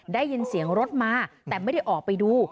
ได้ยินเสียงรถมาแต่ไม่ได้ออกไปดู